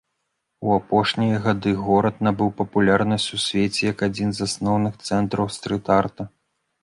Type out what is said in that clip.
У апошнія гады горад набыў папулярнасць у свеце як адзін з асноўных цэнтраў стрыт-арта.